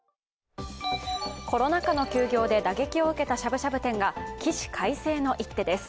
コロナ禍の休業で打撃を受けたしゃぶしゃぶ店が、起死回生の一手です。